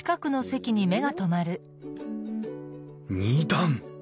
２段！